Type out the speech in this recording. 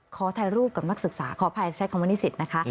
ขอถ่ายรูปกับนักศึกษาขออภัยใช้คำว่านิสิตนะคะ